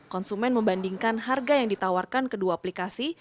konsumen membandingkan harga yang ditawarkan kedua aplikasi